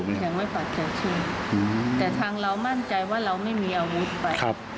ยังไม่ปักใจเชื่อแต่ทางเรามั่นใจว่าเราไม่มีอาวุธไป